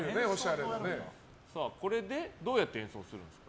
これでどうやって演奏するんですか？